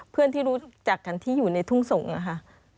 เพื่อนที่รู้จักกันที่อยู่ในทุ่งสงศ์นะคะ